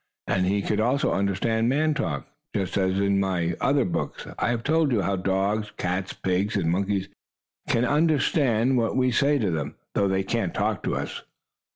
And he could also understand man talk, just as, in my other books, I have told you how dogs, cats, pigs and monkeys can understand what we say to them, though they cannot talk to us.